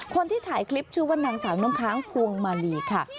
คนที่ถ่ายคลิปชื่อว่านางสาวน้ำค้างพวงมาลีค่ะ